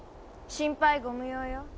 心配ご無用よ。